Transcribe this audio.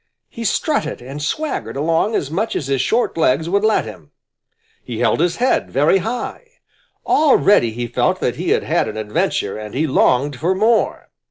He strutted and swaggered along as much as his short legs would let him. He held his head very high. Already he felt that he had had an adventure and he longed for more.